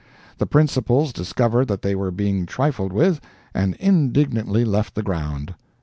The principals discovered that they were being trifled with, and indignantly left the ground.